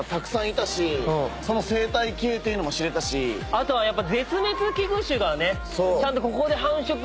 あとはやっぱ。